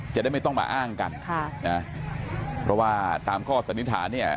จะได้ไม่ต้องมาอ้างกันค่ะนะเพราะว่าตามข้อสันนิษฐานเนี่ย